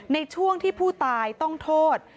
ในช่วงที่ผู้ตายต้องโทษ